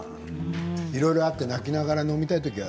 いろいろあって泣きながら飲みたいときは？